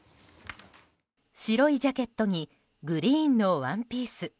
白いジャケットにグリーンのワンピース。